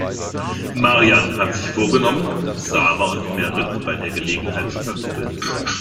Marian hat sich vorgenommen, Xaver und Merit bei der Gelegenheit zu verkuppeln.